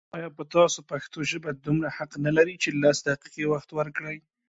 آيا په تاسو پښتو ژبه دومره حق نه لري چې لس دقيقې وخت ورکړئ